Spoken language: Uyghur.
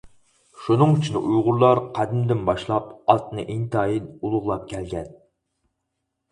شۇنىڭ ئۈچۈن ئۇيغۇرلار قەدىمدىن باشلاپ ئاتنى ئىنتايىن ئۇلۇغلاپ كەلگەن.